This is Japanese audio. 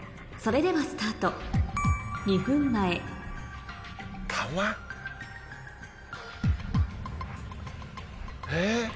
それではスタート２分前えっ？